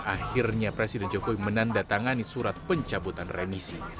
akhirnya presiden jokowi menandatangani surat pencabutan remisi